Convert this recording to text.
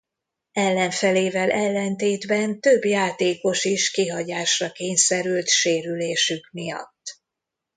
Ellenfelével ellentétben több játékos is kihagyásra kényszerült sérülésük miatt.